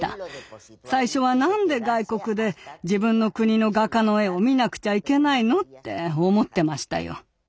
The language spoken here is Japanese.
最初は何で外国で自分の国の画家の絵を見なくちゃいけないのって思ってましたよ。